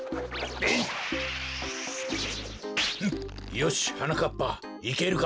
よしはなかっぱいけるか？